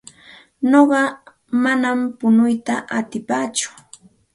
Nuqa manam punuyta atipaatsu.